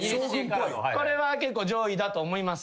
これは結構上位だと思います。